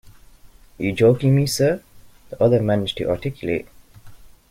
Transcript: You're joking me, sir, the other managed to articulate.